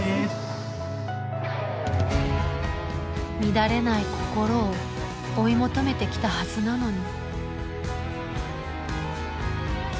乱れない心を追い求めてきたはずなのに。